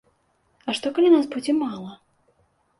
А што калі нас будзе мала?